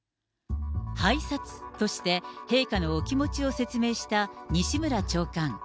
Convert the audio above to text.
拝察として、陛下のお気持ちを説明した西村長官。